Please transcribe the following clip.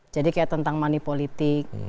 jadi seperti tentang manipolitik